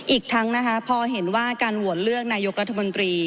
อีกทั้งนะคะพอเห็นว่าการโหวตเลือกนายกรัฐมนตรี